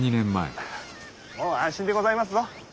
もう安心でございますぞ。